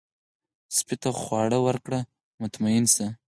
سپي ته خواړه ورکړه، مطمئن شي.